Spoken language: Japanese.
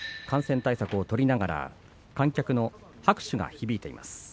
感染対策を取りながら観客の拍手が響いています。